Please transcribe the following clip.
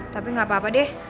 tapi gak apa apa deh